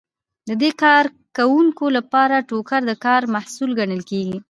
د دې کارکوونکو لپاره ټوکر د کار محصول ګڼل کیږي.